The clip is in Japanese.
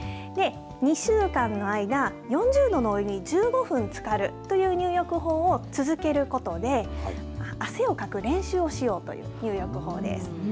２週間の間、４０度のお湯に１５分つかるという入浴法を続けることで汗をかく練習をしようという入浴法です。